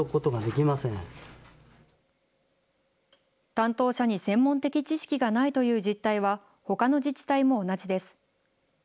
担当者に専門的知識がないという実態はほかの自治体も同じです。